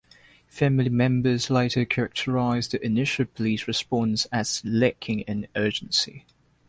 Family members later characterized the initial police response as lacking in urgency.